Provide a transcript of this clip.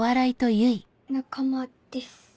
仲間です。